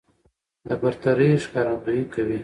د برترۍ ښکارندويي کوي